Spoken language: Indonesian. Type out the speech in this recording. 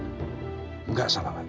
enggak salah lagi